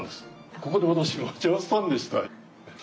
ここで私待ち合わせしたんでした。